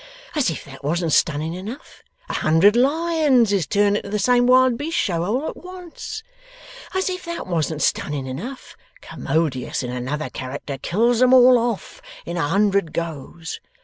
As if that wasn't stunning enough, a hundred lions is turned into the same wild beast show all at once! As if that wasn't stunning enough, Commodious, in another character, kills 'em all off in a hundred goes!